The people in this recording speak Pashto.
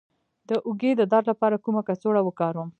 د اوږې د درد لپاره کومه کڅوړه وکاروم؟